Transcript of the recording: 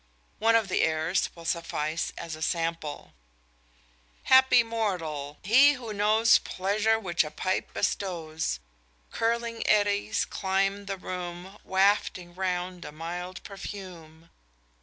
One of the airs will suffice as a sample: _Happy mortal! he who knows Pleasure which a Pipe bestows; Curling eddies climb the room Wafting round a mild perfume.